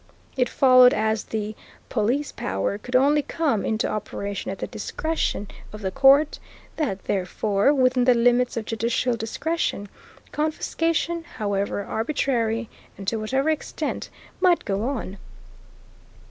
It followed, as the "Police Power" could only come into operation at the discretion of the Court, that, therefore, within the limits of judicial discretion, confiscation, however arbitrary and to whatever extent, might go on.